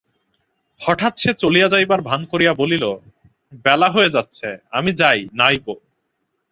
হঠাৎ সে চলিয়া যাইবার ভান করিয়া বলিল, বেলা হয়ে যাচ্ছে, আমি যাই, নাইবো।